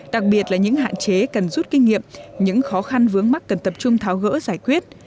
đặc biệt là những hạn chế cần rút kinh nghiệm những khó khăn vướng mắt cần tập trung tháo gỡ giải quyết